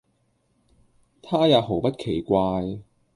他也毫不奇怪，